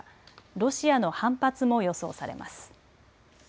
ロシアの反発も予想されます。